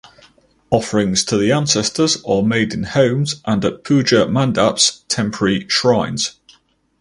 Offerings to the ancestors are made in homes and at puja "mandap"s (temporary shrines).